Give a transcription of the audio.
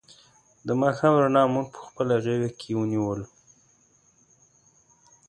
د ماښام رڼا مونږ په خپله غېږ کې ونیولو.